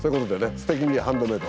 「すてきにハンドメイド」